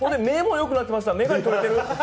目もよくなりましたね。